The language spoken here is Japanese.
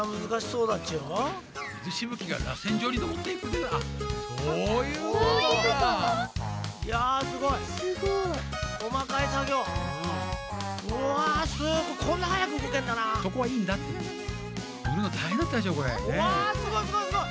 うわすごいすごいすごい！